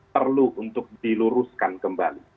perlu untuk diluruskan kembali